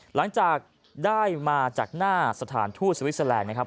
หลังจากได้มาจากหน้าสถานทูตสวิสเตอร์แลนด์นะครับ